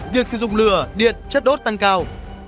việc sử dụng lửa điện chất đốt tăng cao